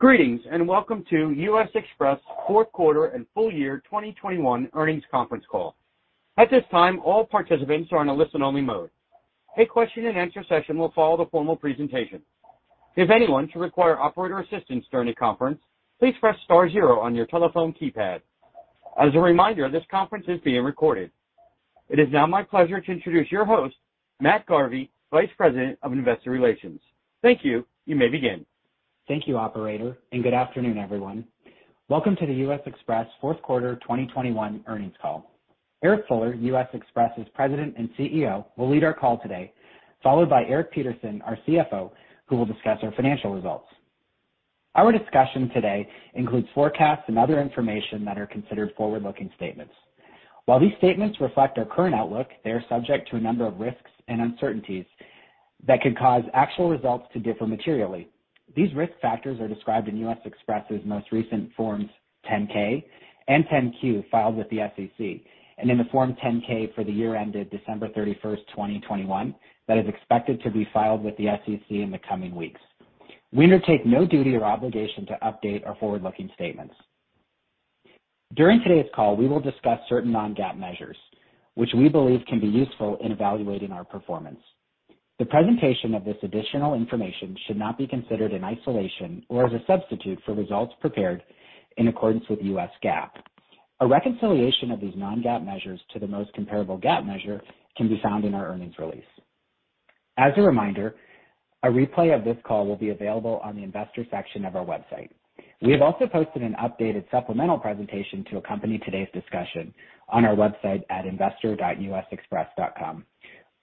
Greetings, and welcome to U.S. Xpress fourth quarter and full year 2021 earnings conference call. At this time, all participants are on a listen-only mode. A question-and-answer session will follow the formal presentation. If anyone should require operator assistance during the conference, please press star zero on your telephone keypad. As a reminder, this conference is being recorded. It is now my pleasure to introduce your host, Matt Garvie, Vice President of Investor Relations. Thank you. You may begin. Thank you, operator, and good afternoon, everyone. Welcome to the U.S. Xpress fourth quarter 2021 earnings call. Eric Fuller, U.S. Xpress's President and CEO, will lead our call today, followed by Eric Peterson, our CFO, who will discuss our financial results. Our discussion today includes forecasts and other information that are considered forward-looking statements. While these statements reflect our current outlook, they are subject to a number of risks and uncertainties that could cause actual results to differ materially. These risk factors are described in U.S. Xpress's most recent Forms 10-K and 10-Q filed with the SEC, and in the Form 10-K for the year ended December 31, 2021, that is expected to be filed with the SEC in the coming weeks. We undertake no duty or obligation to update our forward-looking statements. During today's call, we will discuss certain non-GAAP measures which we believe can be useful in evaluating our performance. The presentation of this additional information should not be considered in isolation or as a substitute for results prepared in accordance with U.S. GAAP. A reconciliation of these non-GAAP measures to the most comparable GAAP measure can be found in our earnings release. As a reminder, a replay of this call will be available on the investor section of our website. We have also posted an updated supplemental presentation to accompany today's discussion on our website at investor dot usxpress dot com.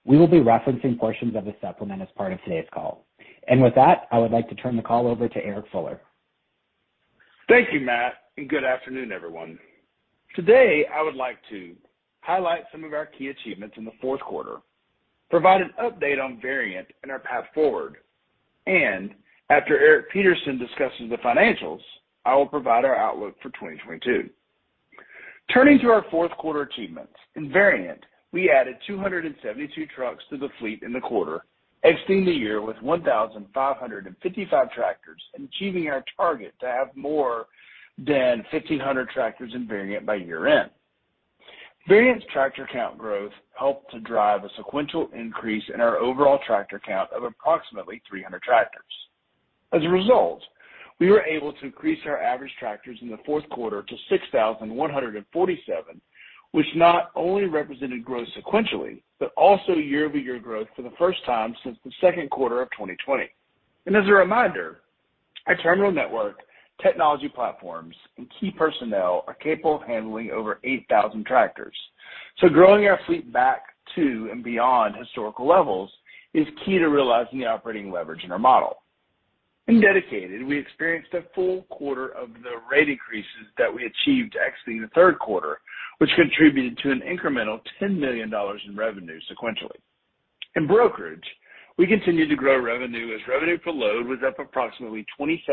We will be referencing portions of the supplement as part of today's call. With that, I would like to turn the call over to Eric Fuller. Thank you, Matt, and good afternoon, everyone. Today, I would like to highlight some of our key achievements in fourth quarter, provide an update on Variant and our path forward, and after Eric Peterson discusses the financials, I will provide our outlook for 2022. Turning to our fourth quarter achievements. In Variant, we added 272 trucks to the fleet in the quarter, exiting the year with 1,555 tractors, and achieving our target to have more than 1,500 tractors in Variant by year-end. Variant's tractor count growth helped to drive a sequential increase in our overall tractor count of approximately 300 tractors. As a result, we were able to increase our average tractors in the fourth quarter to 6,147, which not only represented growth sequentially, but also year-over-year growth for the first time since the second quarter of 2020. As a reminder, our terminal network, technology platforms, and key personnel are capable of handling over 8,000 tractors. Growing our fleet back to and beyond historical levels is key to realizing the operating leverage in our model. In dedicated, we experienced a full quarter of the rate increases that we achieved exiting the quarter three, which contributed to an incremental $10 million in revenue sequentially. In brokerage, we continued to grow revenue as revenue per load was up approximately 27%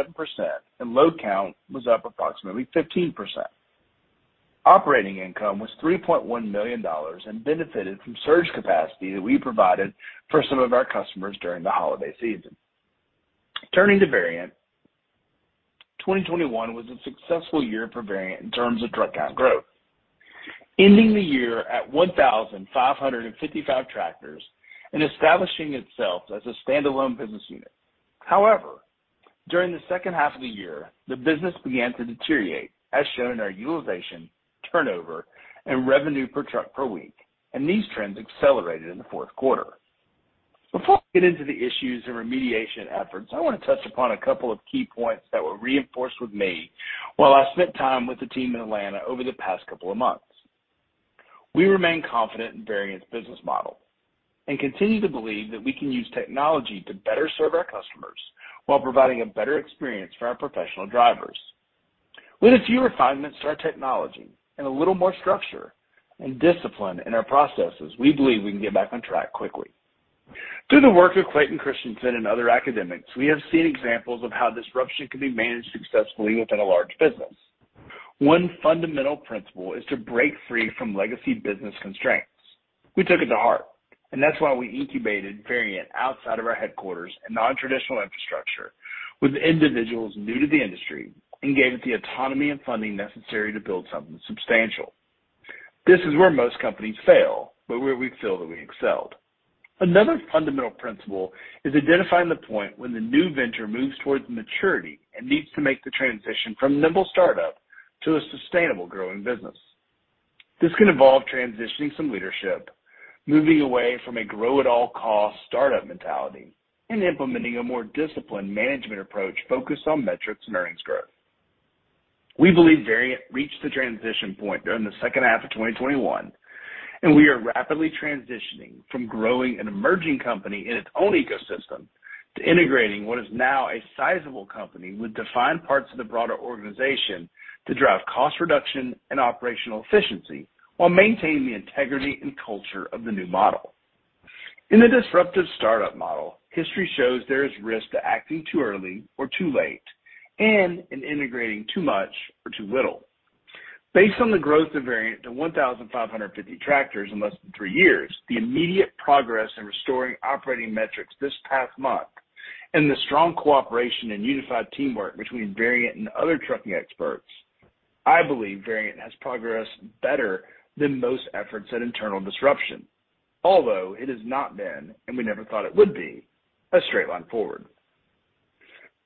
and load count was up approximately 15%. Operating income was $3.1 million and benefited from surge capacity that we provided for some of our customers during the holiday season. Turning to Variant, 2021 was a successful year for Variant in terms of truck count growth, ending the year at 1,555 tractors and establishing itself as a standalone business unit. However, during the H2 of the year, the business began to deteriorate, as shown in our utilization, turnover, and revenue per truck per week, and these trends accelerated in the fourth quarter. Before I get into the issues and remediation efforts, I want to touch upon a couple of key points that were reinforced with me while I spent time with the team in Atlanta over the past couple of months. We remain confident in Variant's business model and continue to believe that we can use technology to better serve our customers while providing a better experience for our professional drivers. With a few refinements to our technology and a little more structure and discipline in our processes, we believe we can get back on track quickly. Through the work of Clayton Christensen and other academics, we have seen examples of how disruption can be managed successfully within a large business. One fundamental principle is to break free from legacy business constraints. We took it to heart, and that's why we incubated Variant outside of our headquarters and non-traditional infrastructure with individuals new to the industry and gave it the autonomy and funding necessary to build something substantial. This is where most companies fail, but where we feel that we excelled. Another fundamental principle is identifying the point when the new venture moves towards maturity and needs to make the transition from nimble startup to a sustainable growing business. This can involve transitioning some leadership, moving away from a grow-at-all-costs startup mentality, and implementing a more disciplined management approach focused on metrics and earnings growth. We believe Variant reached the transition point during the H2 of 2021, and we are rapidly transitioning from growing an emerging company in its own ecosystem to integrating what is now a sizable company with defined parts of the broader organization to drive cost reduction and operational efficiency while maintaining the integrity and culture of the new model. In the disruptive startup model, history shows there is risk to acting too early or too late and in integrating too much or too little. Based on the growth of Variant to 1,550 tractors in less than three years, the immediate progress in restoring operating metrics this past month, and the strong cooperation and unified teamwork between Variant and other trucking experts, I believe Variant has progressed better than most efforts at internal disruption. Although it has not been, and we never thought it would be, a straight line forward.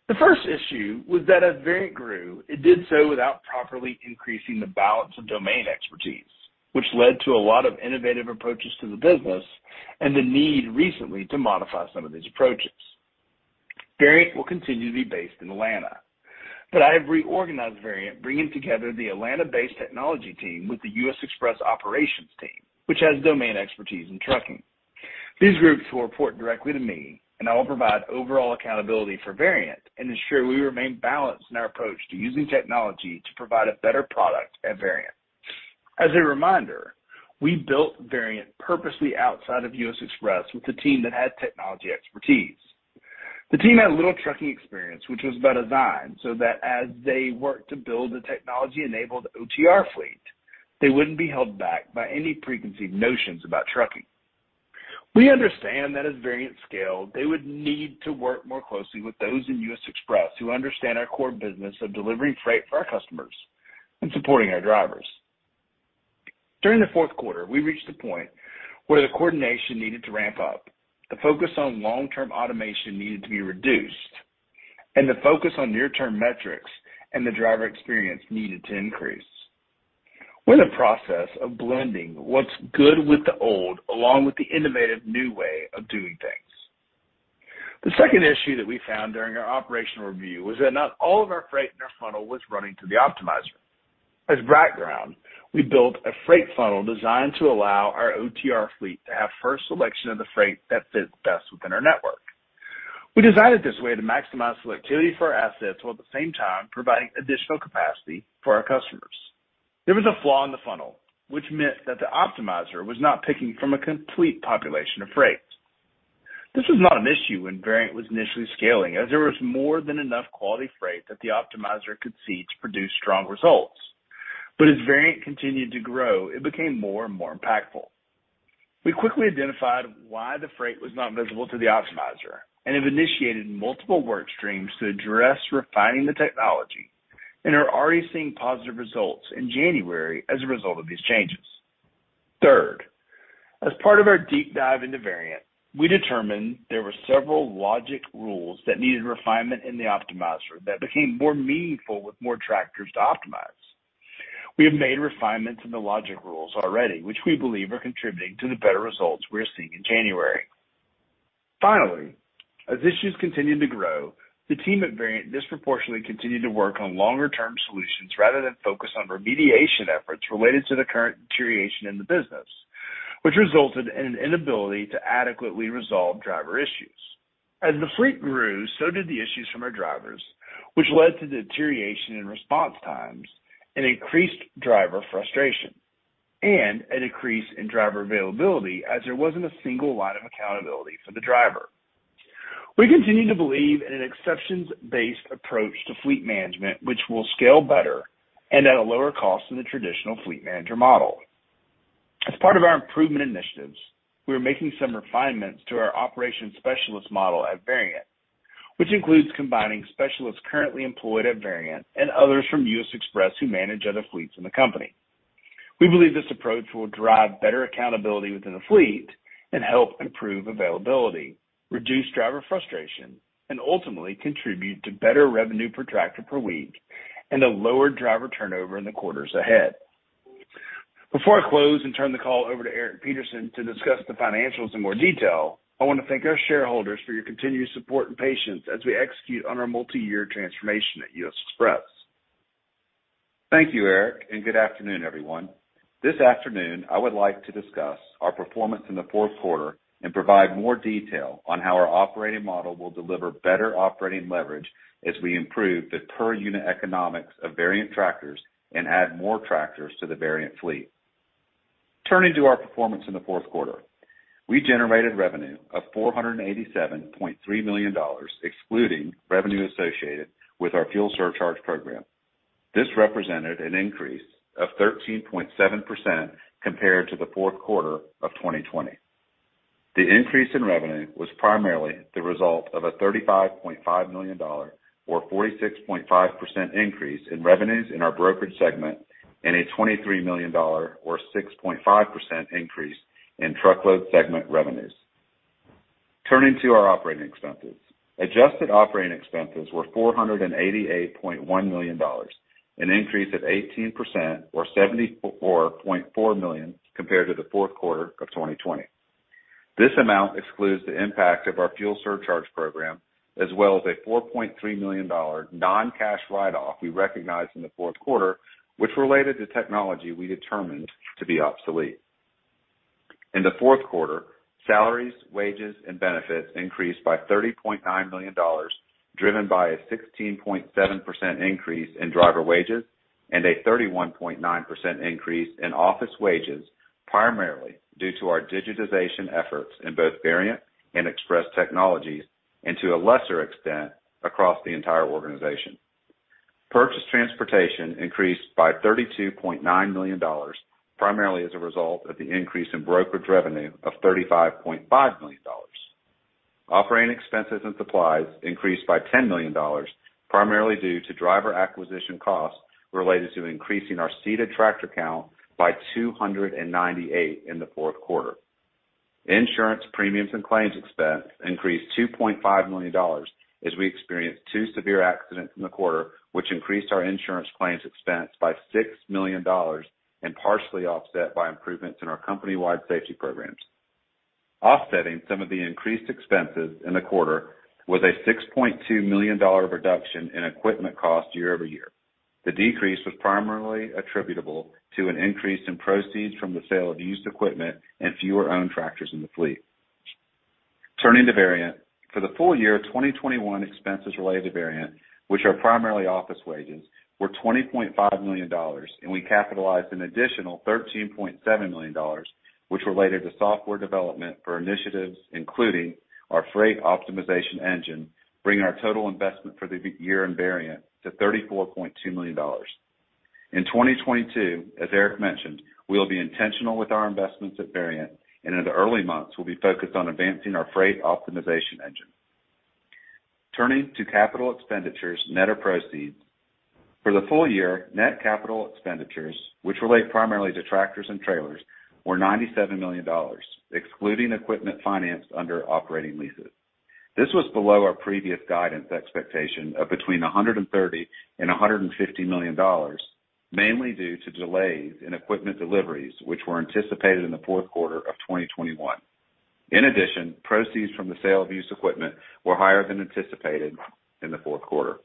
The first issue was that as Variant grew, it did so without properly increasing the balance of domain expertise, which led to a lot of innovative approaches to the business and the need recently to modify some of these approaches. Variant will continue to be based in Atlanta, but I have reorganized Variant, bringing together the Atlanta-based technology team with the U.S. Xpress operations team, which has domain expertise in trucking. These groups will report directly to me, and I will provide overall accountability for Variant and ensure we remain balanced in our approach to using technology to provide a better product at Variant. As a reminder, we built Variant purposely outside of U.S. Xpress with a team that had technology expertise. The team had little trucking experience, which was by design, so that as they worked to build the technology-enabled OTR fleet, they wouldn't be held back by any preconceived notions about trucking. We understand that as Variant scaled, they would need to work more closely with those in U.S. Xpress who understand our core business of delivering freight for our customers and supporting our drivers. During the fourth quarter, we reached a point where the coordination needed to ramp up, the focus on long-term automation needed to be reduced, and the focus on near-term metrics and the driver experience needed to increase. We're in the process of blending what's good with the old along with the innovative new way of doing things. The second issue that we found during our operational review was that not all of our freight in our funnel was running to the Optimizer. As background, we built a freight funnel designed to allow our OTR fleet to have first selection of the freight that fits best within our network. We designed it this way to maximize selectivity for our assets while at the same time providing additional capacity for our customers. There was a flaw in the funnel, which meant that the Optimizer was not picking from a complete population of freight. This was not an issue when Variant was initially scaling, as there was more than enough quality freight that the Optimizer could see to produce strong results. As Variant continued to grow, it became more and more impactful. We quickly identified why the freight was not visible to the Optimizer and have initiated multiple work streams to address refining the technology and are already seeing positive results in January as a result of these changes. Third, as part of our deep dive into Variant, we determined there were several logic rules that needed refinement in the Optimizer that became more meaningful with more tractors to optimize. We have made refinements in the logic rules already, which we believe are contributing to the better results we're seeing in January. Finally, as issues continued to grow, the team at Variant disproportionately continued to work on longer-term solutions rather than focus on remediation efforts related to the current deterioration in the business, which resulted in an inability to adequately resolve driver issues. As the fleet grew, so did the issues from our drivers, which led to deterioration in response times and increased driver frustration and a decrease in driver availability as there wasn't a single line of accountability for the driver. We continue to believe in an exceptions-based approach to fleet management, which will scale better and at a lower cost than the traditional fleet manager model. As part of our improvement initiatives, we are making some refinements to our operations specialist model at Variant, which includes combining specialists currently employed at Variant and others from U.S. Xpress who manage other fleets in the company. We believe this approach will drive better accountability within the fleet and help improve availability, reduce driver frustration, and ultimately contribute to better revenue per tractor per week and a lower driver turnover in the quarters ahead. Before I close and turn the call over to Eric Peterson to discuss the financials in more detail, I want to thank our shareholders for your continued support and patience as we execute on our multi-year transformation at U.S. Xpress. Thank you, Eric, and good afternoon, everyone. This afternoon, I would like to discuss our performance in the fourth quarter and provide more detail on how our operating model will deliver better operating leverage as we improve the per-unit economics of Variant tractors and add more tractors to the Variant fleet. Turning to our performance in the fourth quarter. We generated revenue of $487.3 million, excluding revenue associated with our fuel surcharge program. This represented an increase of 13.7% compared to the fourth quarter of 2020. The increase in revenue was primarily the result of a $35.5 million or 46.5% increase in revenues in our Brokerage segment and a $23 million or 6.5% increase in Truckload segment revenues. Turning to our operating expenses. Adjusted operating expenses were $488.1 million, an increase of 18% or $74.4 million compared to the fourth quarter of 2020. This amount excludes the impact of our fuel surcharge program as well as a $4.3 million non-cash write-off we recognized in the fourth quarter, which related to technology we determined to be obsolete. In the fourth quarter, salaries, wages, and benefits increased by $30.9 million, driven by a 16.7% increase in driver wages and a 31.9% increase in office wages. Primarily due to our digitization efforts in both Variant and Xpress Technologies, and to a lesser extent, across the entire organization. Purchase transportation increased by $32.9 million, primarily as a result of the increase in brokerage revenue of $35.5 million. Operating expenses and supplies increased by $10 million, primarily due to driver acquisition costs related to increasing our seated tractor count by 298 in the fourth quarter. Insurance premiums and claims expense increased $2.5 million as we experienced two severe accidents in the quarter, which increased our insurance claims expense by $6 million and partially offset by improvements in our company-wide safety programs. Offsetting some of the increased expenses in the quarter was a $6.2 million reduction in equipment cost year-over-year. The decrease was primarily attributable to an increase in proceeds from the sale of used equipment and fewer owned tractors in the fleet. Turning to Variant, for the full year of 2021, expenses related to Variant, which are primarily office wages, were $20.5 million, and we capitalized an additional $13.7 million, which related to software development for initiatives including our freight optimization engine, bringing our total investment for the year in Variant to $34.2 million. In 2022, as Eric mentioned, we will be intentional with our investments at Variant, and in the early months, we'll be focused on advancing our freight optimization engine. Turning to capital expenditures net of proceeds. For the full year, net capital expenditures, which relate primarily to tractors and trailers, were $97 million, excluding equipment financed under operating leases. This was below our previous guidance expectation of between $130 million and $150 million, mainly due to delays in equipment deliveries, which were anticipated in the fourth of 2021. In addition, proceeds from the sale of used equipment were higher than anticipated in the fourth quarter.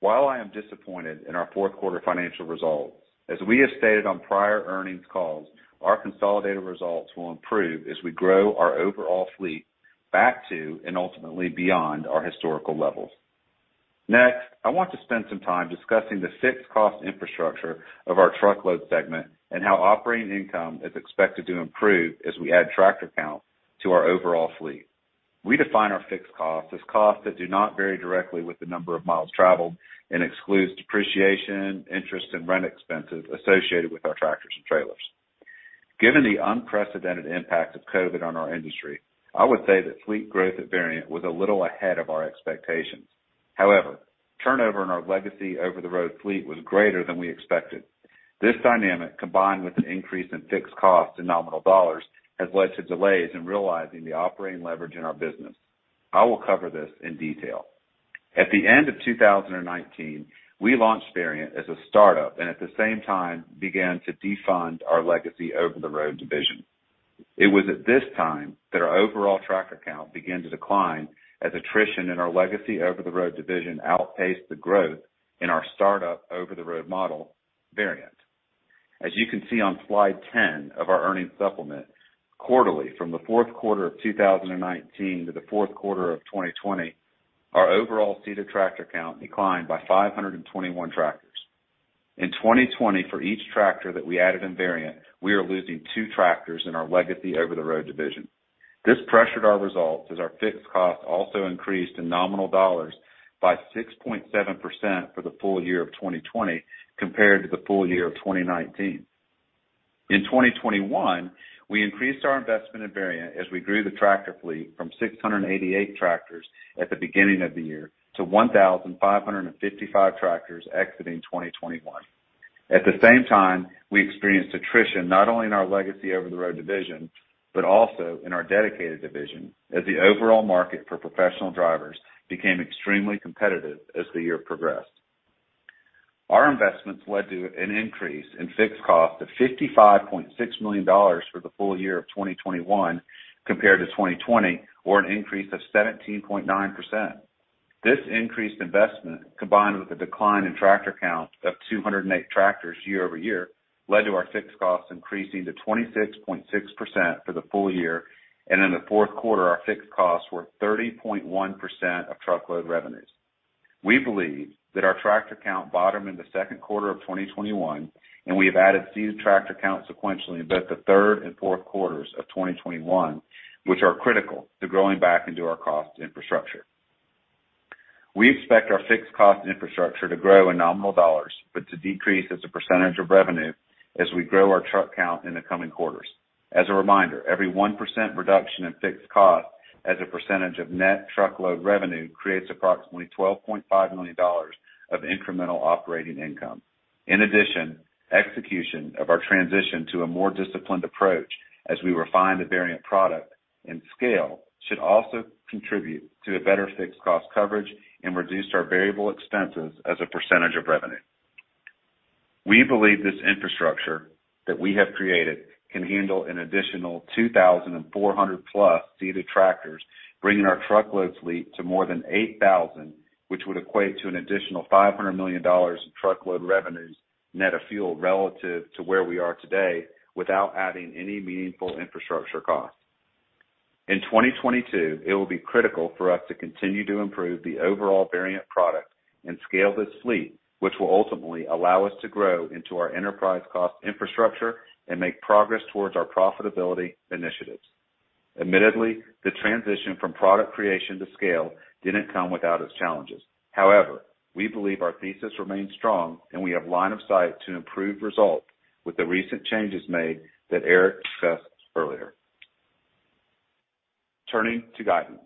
While I am disappointed in our fourth quarter financial results, as we have stated on prior earnings calls, our consolidated results will improve as we grow our overall fleet back to and ultimately beyond our historical levels. Next, I want to spend some time discussing the fixed cost infrastructure of our truckload segment and how operating income is expected to improve as we add tractor count to our overall fleet. We define our fixed cost as costs that do not vary directly with the number of miles traveled and excludes depreciation, interest, and rent expenses associated with our tractors and trailers. Given the unprecedented impact of COVID on our industry, I would say that fleet growth at Variant was a little ahead of our expectations. However, turnover in our legacy over-the-road fleet was greater than we expected. This dynamic, combined with an increase in fixed costs in nominal dollars, has led to delays in realizing the operating leverage in our business. I will cover this in detail. At the end of 2019, we launched Variant as a startup and at the same time began to defund our legacy over-the-road division. It was at this time that our overall tractor count began to decline as attrition in our legacy over-the-road division outpaced the growth in our startup over-the-road model, Variant. As you can see on slide 10 of our earnings supplement, quarterly from the fourth quarter of 2019 to the fourth of 2020, our overall seated tractor count declined by 521 tractors. In 2020, for each tractor that we added in Variant, we are losing two tractors in our legacy over-the-road division. This pressured our results as our fixed cost also increased in nominal dollars by 6.7% for the full year of 2020 compared to the full year of 2019. In 2021, we increased our investment in Variant as we grew the tractor fleet from 688 tractors at the beginning of the year to 1,555 tractors exiting 2021. At the same time, we experienced attrition not only in our legacy over-the-road division, but also in our dedicated division as the overall market for professional drivers became extremely competitive as the year progressed. Our investments led to an increase in fixed cost of $55.6 million for the full year of 2021 compared to 2020, or an increase of 17.9%. This increased investment, combined with a decline in tractor count of 208 tractors year-over-year, led to our fixed costs increasing to 26.6% for the full year. In the fourth quarter, our fixed costs were 30.1% of truckload revenues. We believe that our tractor count bottomed in the second of 2021, and we have added seated tractor count sequentially in both the third and fourth quarter of 2021, which are critical to growing back into our cost infrastructure. We expect our fixed cost infrastructure to grow in nominal dollars, but to decrease as a percentage of revenue as we grow our truck count in the coming quarters. As a reminder, every 1% reduction in fixed cost as a percentage of net truckload revenue creates approximately $12.5 million of incremental operating income. In addition, execution of our transition to a more disciplined approach as we refine the Variant product and scale should also contribute to a better fixed cost coverage and reduce our variable expenses as a percentage of revenue. We believe this infrastructure that we have created can handle an additional 2,400+ seated tractors, bringing our truckload fleet to more than 8,000, which would equate to an additional $500 million in truckload revenues net of fuel relative to where we are today without adding any meaningful infrastructure costs. In 2022, it will be critical for us to continue to improve the overall Variant product and scale this fleet, which will ultimately allow us to grow into our enterprise cost infrastructure and make progress towards our profitability initiatives. Admittedly, the transition from product creation to scale didn't come without its challenges. However, we believe our thesis remains strong, and we have line of sight to improve results with the recent changes made that Eric discussed earlier. Turning to guidance.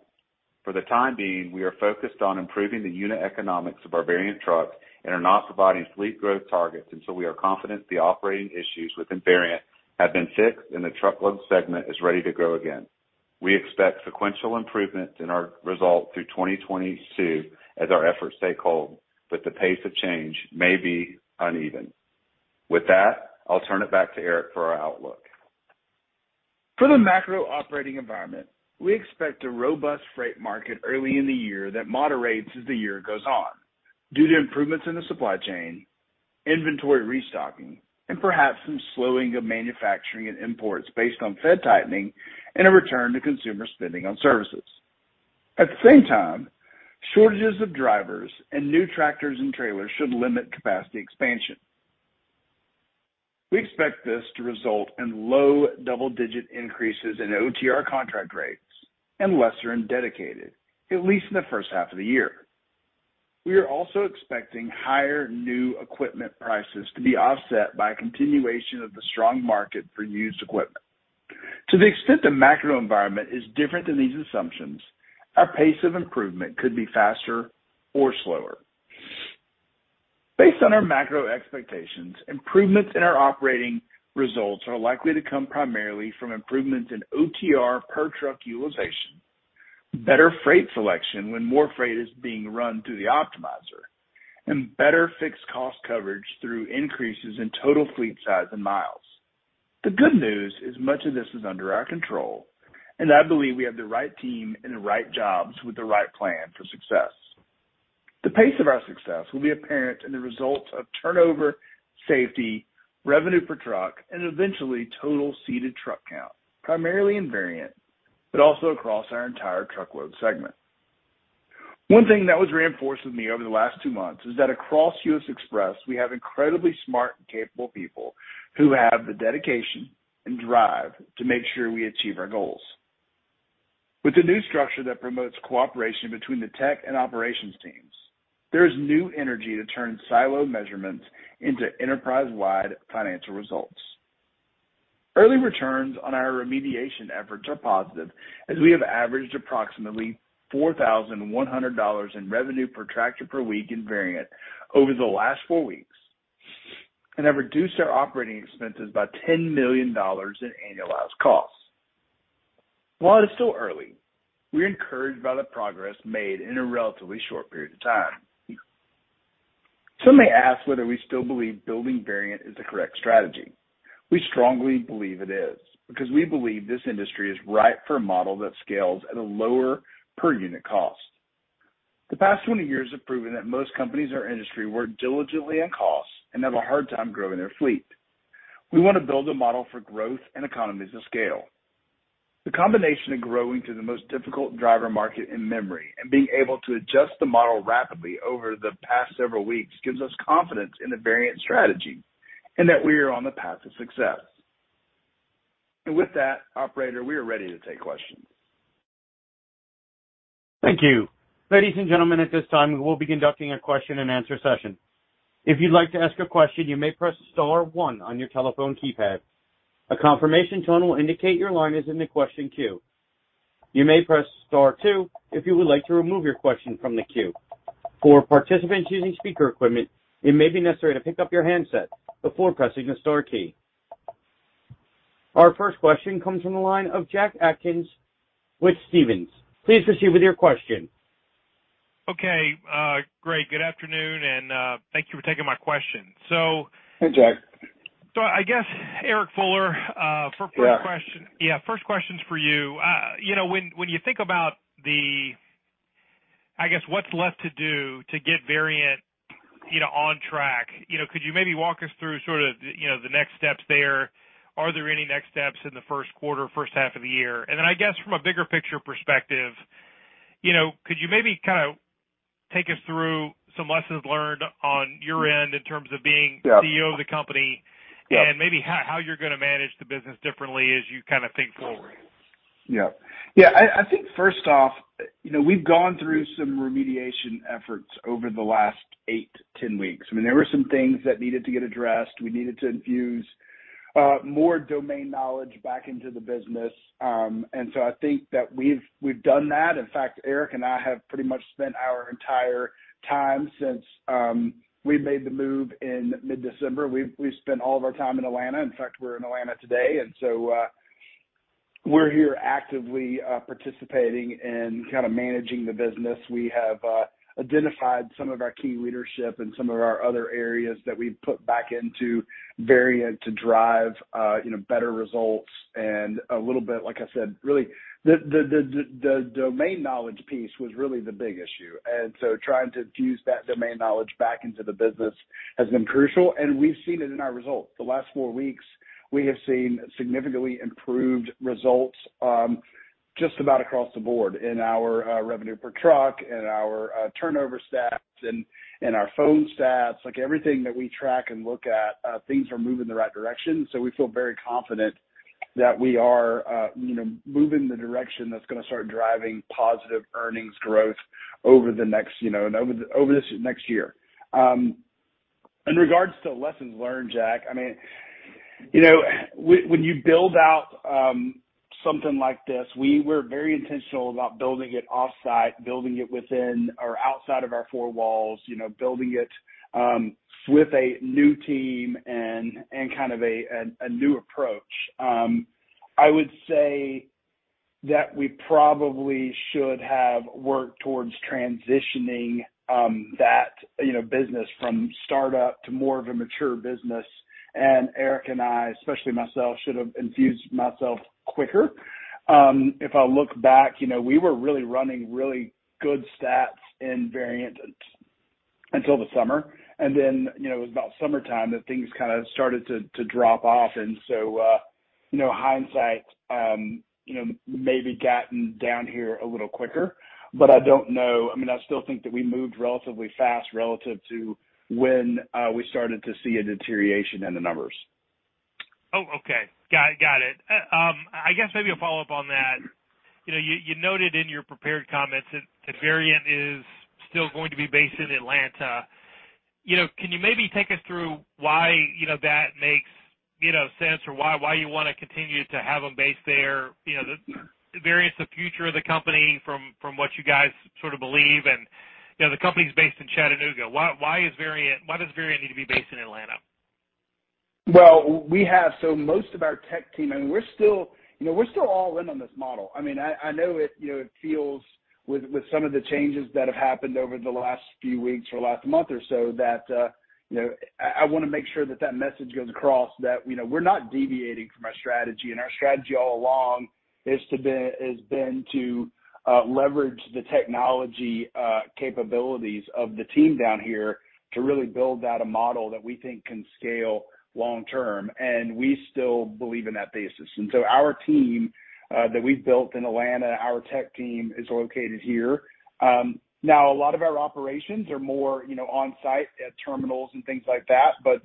For the time being, we are focused on improving the unit economics of our Variant trucks and are not providing fleet growth targets until we are confident the operating issues within Variant have been fixed and the truckload segment is ready to grow again. We expect sequential improvement in our results through 2022 as our efforts take hold, but the pace of change may be uneven. With that, I'll turn it back to Eric for our outlook. For the macro operating environment, we expect a robust freight market early in the year that moderates as the year goes on due to improvements in the supply chain, inventory restocking, and perhaps some slowing of manufacturing and imports based on Fed tightening and a return to consumer spending on services. At the same time, shortages of drivers and new tractors and trailers should limit capacity expansion. We expect this to result in low double-digit increases in OTR contract rates and lesser in dedicated, at least in the H1. We are also expecting higher new equipment prices to be offset by a continuation of the strong market for used equipment. To the extent the macro environment is different than these assumptions, our pace of improvement could be faster or slower. Based on our macro expectations, improvements in our operating results are likely to come primarily from improvements in OTR per truck utilization, better freight selection when more freight is being run through the optimizer, and better fixed cost coverage through increases in total fleet size and miles. The good news is much of this is under our control, and I believe we have the right team and the right jobs with the right plan for success. The pace of our success will be apparent in the results of turnover, safety, revenue per truck, and eventually total seated truck count, primarily in Variant, but also across our entire truckload segment. One thing that was reinforced with me over the last two months is that across U.S. Xpress, we have incredibly smart and capable people who have the dedication and drive to make sure we achieve our goals. With the new structure that promotes cooperation between the tech and operations teams, there is new energy to turn siloed measurements into enterprise-wide financial results. Early returns on our remediation efforts are positive, as we have averaged approximately $4,100 in revenue per tractor per week in Variant over the last four weeks and have reduced our operating expenses by $10 million in annualized costs. While it is still early, we are encouraged by the progress made in a relatively short period of time. Some may ask whether we still believe building Variant is the correct strategy. We strongly believe it is because we believe this industry is ripe for a model that scales at a lower per unit cost. The past 20 years have proven that most companies in our industry work diligently on costs and have a hard time growing their fleet. We want to build a model for growth and economies of scale. The combination of growing through the most difficult driver market in memory and being able to adjust the model rapidly over the past several weeks gives us confidence in the Variant strategy and that we are on the path to success. With that, operator, we are ready to take questions. Thank you. Ladies and gentlemen, at this time, we will be conducting a question-and-answer session. If you'd like to ask a question, you may press star one on your telephone keypad. A confirmation tone will indicate your line is in the question queue. You may press star two if you would like to remove your question from the queue. For participants using speaker equipment, it may be necessary to pick up your handset before pressing the star key. Our first question comes from the line of Jack Atkins with Stephens. Please proceed with your question. Okay. Great. Good afternoon, and thank you for taking my question. Hey, Jack. I guess, Eric Fuller Yeah. First question. Yeah, first question's for you. You know, when you think about the I guess, what's left to do to get Variant, you know, on track? You know, could you maybe walk us through sort of, you know, the next steps there? Are there any next steps in the Q1, H1? I guess from a bigger picture perspective, you know, could you maybe kind of take us through some lessons learned on your end in terms of being- Yeah. CEO of the company? Yeah. Maybe how you're gonna manage the business differently as you kind of think forward. Yeah. Yeah, I think first off, you know, we've gone through some remediation efforts over the last eight to 10 weeks. I mean, there were some things that needed to get addressed. We needed to infuse more domain knowledge back into the business. I think that we've done that. In fact, Eric and I have pretty much spent our entire time since we made the move in mid-December. We've spent all of our time in Atlanta. In fact, we're in Atlanta today, and so we're here actively participating in kind of managing the business. We have identified some of our key leadership and some of our other areas that we've put back into Variant to drive, you know, better results and a little bit, like I said, really, the domain knowledge piece was really the big issue. Trying to fuse that domain knowledge back into the business has been crucial, and we've seen it in our results. The last four weeks we have seen significantly improved results, just about across the board in our revenue per truck, in our turnover stats and our phone stats. Like, everything that we track and look at, things are moving the right direction. We feel very confident that we are, you know, moving in the direction that's gonna start driving positive earnings growth over the next, you know, and over this next year. In regards to lessons learned, Jack, I mean, you know, when you build out something like this, we were very intentional about building it off-site, building it within or outside of our four walls, you know, building it with a new team and kind of a new approach. I would say that we probably should have worked towards transitioning that business from startup to more of a mature business. Eric and I, especially myself, should have involved myself quicker. If I look back, you know, we were really running really good stats in Variant until the summer. You know, it was about summertime that things kind of started to drop off. You know, hindsight, maybe gotten down here a little quicker, but I don't know, I mean, I still think that we moved relatively fast relative to when we started to see a deterioration in the numbers. Oh, okay. Got it. I guess maybe a follow-up on that. You know, you noted in your prepared comments that Variant is still going to be based in Atlanta. You know, can you maybe take us through why that makes sense or why you want to continue to have them based there? You know, is Variant the future of the company from what you guys sort of believe? You know, the company's based in Chattanooga. Why does Variant need to be based in Atlanta? Well, most of our tech team, I mean, we're still, you know, we're still all in on this model. I mean, I know it, you know, it feels with some of the changes that have happened over the last few weeks or last month or so that, you know, I wanna make sure that that message goes across, that, you know, we're not deviating from our strategy. Our strategy all along has been to leverage the technology capabilities of the team down here to really build out a model that we think can scale long-term. We still believe in that thesis. Our team that we've built in Atlanta, our tech team is located here. Now, a lot of our operations are more, you know, on-site at terminals and things like that, but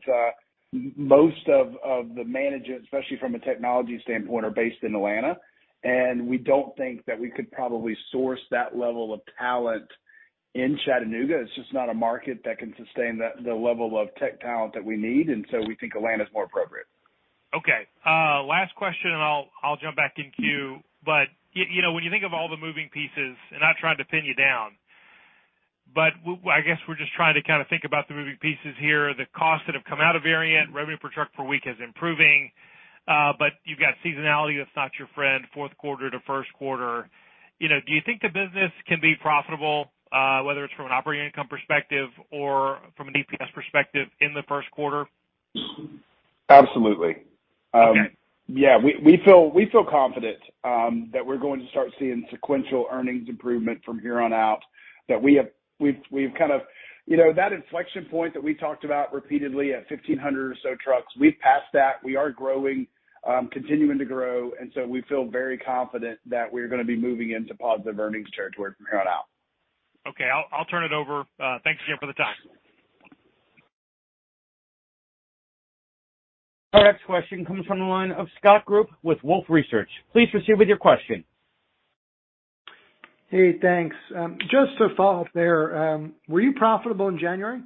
most of the management, especially from a technology standpoint, are based in Atlanta, and we don't think that we could probably source that level of talent in Chattanooga. It's just not a market that can sustain the level of tech talent that we need. We think Atlanta is more appropriate. Okay. Last question, and I'll jump back in queue. You know, when you think of all the moving pieces, and not trying to pin you down, but I guess we're just trying to kind of think about the moving pieces here. The costs that have come out of Variant, revenue per truck per week is improving, but you've got seasonality that's not your friend, fourth quarter to first quarter. You know, do you think the business can be profitable, whether it's from an operating income perspective or from an EPS perspective in the Q1? Absolutely. Okay. We feel confident that we're going to start seeing sequential earnings improvement from here on out. You know, that inflection point that we talked about repeatedly at 1,500 or so trucks, we've passed that. We are growing, continuing to grow, and so we feel very confident that we're gonna be moving into positive earnings territory from here on out. Okay. I'll turn it over. Thanks again for the time. Our next question comes from the `line of Scott Group with Wolfe Research. Please proceed with your question. Hey, thanks. Just to follow up there, were you profitable in January?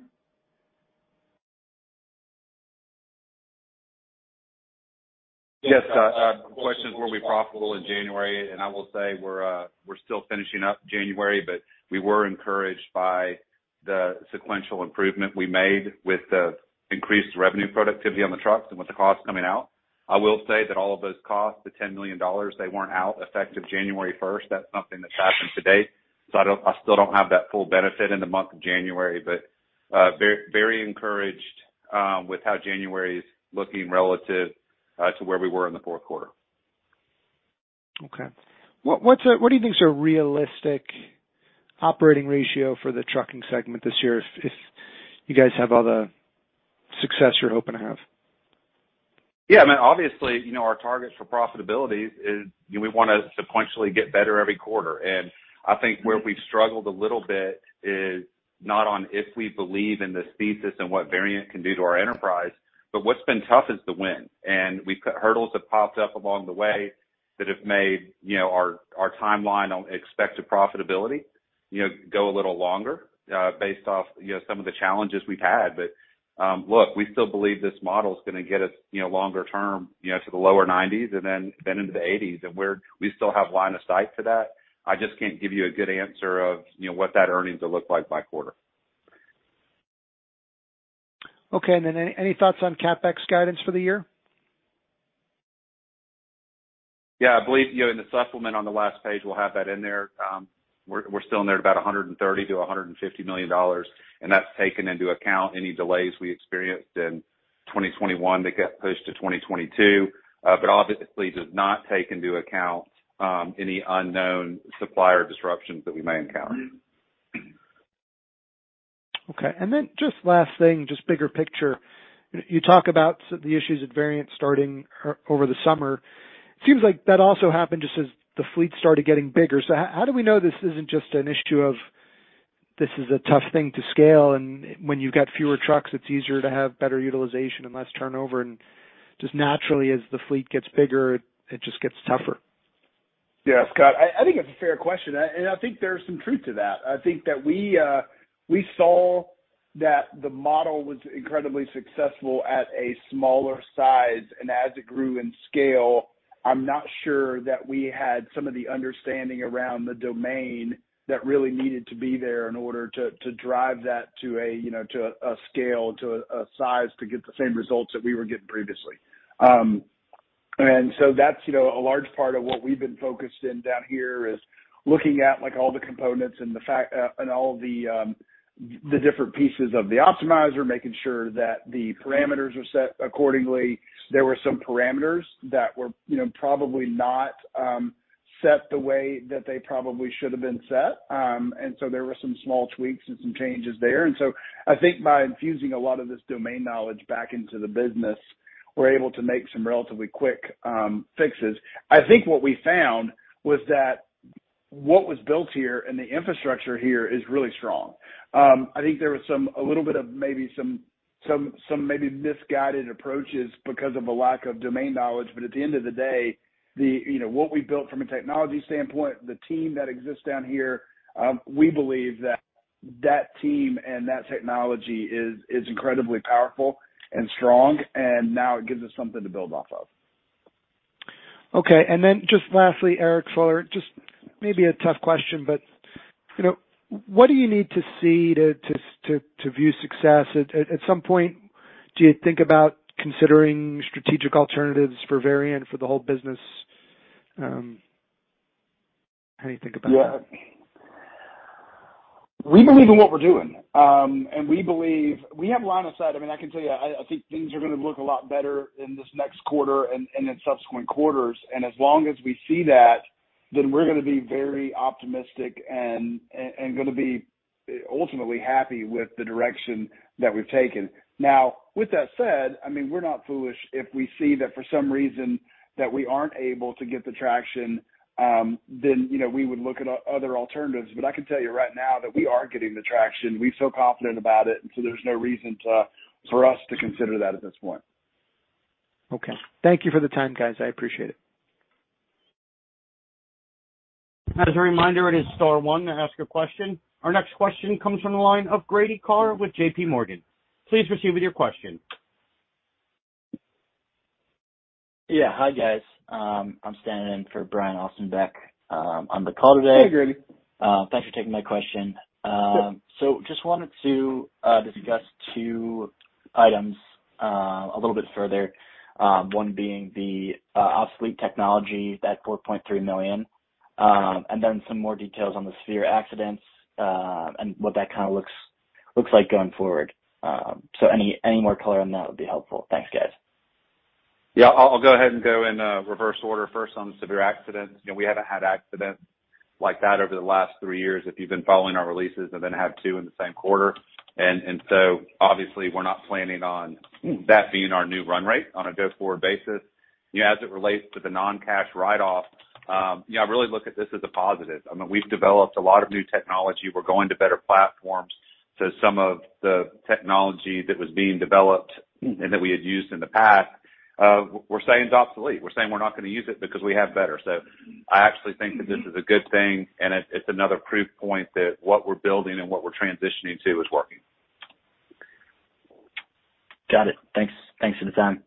Yes. The question is were we profitable in January? I will say we're still finishing up January, but we were encouraged by the sequential improvement we made with the increased revenue productivity on the trucks and with the costs coming out. I will say that all of those costs, the $10 million, they weren't out effective January first. That's something that's happened to date, so I still don't have that full benefit in the month of January. Very encouraged with how January is looking relative to where we were in the fourth quarter. Okay. What do you think is a realistic operating ratio for the trucking segment this year if you guys have all the success you're hoping to have? Yeah. I mean, obviously, you know, our target for profitability is, you know, we wanna sequentially get better every quarter. I think where we've struggled a little bit is not on if we believe in this thesis and what Variant can do to our enterprise, but what's been tough is the when. Hurdles have popped up along the way that have made, you know, our timeline on expected profitability, you know, go a little longer, based off, you know, some of the challenges we've had. Look, we still believe this model is gonna get us, you know, longer term, you know, to the lower 90s% and then into the 80s%. We still have line of sight to that. I just can't give you a good answer of, you know, what that earnings will look like by quarter. Okay. Any thoughts on CapEx guidance for the year? Yeah. I believe, you know, in the supplement on the last page, we'll have that in there. We're still in there at about $100 million- $150 million, and that's taken into account any delays we experienced in 2021 that got pushed to 2022. Obviously does not take into account any unknown supplier disruptions that we may encounter. Okay. Just last thing, just bigger picture. You talk about the issues at Variant starting over the summer. Seems like that also happened just as the fleet started getting bigger. How do we know this isn't just an issue of this is a tough thing to scale, and when you've got fewer trucks, it's easier to have better utilization and less turnover, and just naturally, as the fleet gets bigger, it just gets tougher? Yeah, Scott, I think that's a fair question, and I think there's some truth to that. I think that we saw that the model was incredibly successful at a smaller size, and as it grew in scale, I'm not sure that we had some of the understanding around the domain that really needed to be there in order to drive that to a scale, to a size to get the same results that we were getting previously. That's, you know, a large part of what we've been focused on down here, looking at, like, all the components and the factors and all the different pieces of the Optimizer, making sure that the parameters are set accordingly. There were some parameters that were, you know, probably not set the way that they probably should have been set. There were some small tweaks and some changes there. I think by infusing a lot of this domain knowledge back into the business, we're able to make some relatively quick fixes. I think what we found was that what was built here and the infrastructure here is really strong. I think there was some a little bit of maybe some misguided approaches because of a lack of domain knowledge, but at the end of the day, you know, what we built from a technology standpoint, the team that exists down here, we believe that that team and that technology is incredibly powerful and strong, and now it gives us something to build off of. Okay. Just lastly, Eric Fuller, just maybe a tough question, but, you know, what do you need to see to view success? At some point, do you think about considering strategic alternatives for Variant for the whole business? How do you think about that? Yeah. We believe in what we're doing. We believe we have line of sight. I think things are gonna look a lot better in this next quarter and in subsequent quarters. As long as we see that, then we're gonna be very optimistic and gonna be ultimately happy with the direction that we've taken. Now, with that said, we're not foolish. If we see that for some reason that we aren't able to get the traction, then we would look at other alternatives. I can tell you right now that we are getting the traction. We're so confident about it, and so there's no reason for us to consider that at this point. Okay. Thank you for the time, guys. I appreciate it. As a reminder, it is star one to ask a question. Our next question comes from the line of Grady Carr with JPMorgan. Please proceed with your question. Yeah. Hi, guys. I'm standing in for Brian Ossenbeck on the call today. Hey, Grady. Thanks for taking my question. Just wanted to discuss two items a little bit further, one being the obsolete technology, that $4.3 million, and then some more details on the severe accidents, and what that kinda looks like going forward. Any more color on that would be helpful. Thanks, guys. Yeah. I'll go ahead and go in reverse order first on the severe accidents. You know, we haven't had accidents like that over the last three years, if you've been following our releases, and then have two in the same quarter. Obviously we're not planning on that being our new run rate on a go-forward basis. You know, as it relates to the non-cash write-off, you know, I really look at this as a positive. I mean, we've developed a lot of new technology. We're going to better platforms to some of the technology that was being developed and that we had used in the past, we're saying it's obsolete. We're saying we're not gonna use it because we have better. I actually think that this is a good thing, and it's another proof point that what we're building and what we're transitioning to is working. Got it. Thanks. Thanks for the time.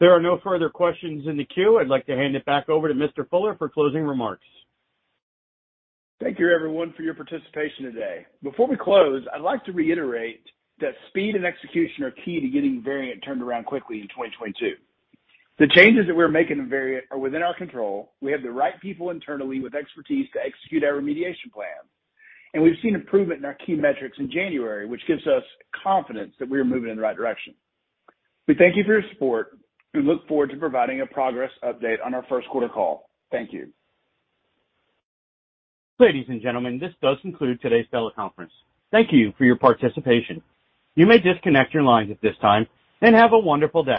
There are no further questions in the queue. I'd like to hand it back over to Mr. Fuller for closing remarks. Thank you everyone for your participation today. Before we close, I'd like to reiterate that speed and execution are key to getting Variant turned around quickly in 2022. The changes that we're making in Variant are within our control. We have the right people internally with expertise to execute our remediation plan, and we've seen improvement in our key metrics in January, which gives us confidence that we are moving in the right direction. We thank you for your support. We look forward to providing a progress update on our first quarter call. Thank you. Ladies and gentlemen, this does conclude today's teleconference. Thank you for your participation. You may disconnect your lines at this time, and have a wonderful day.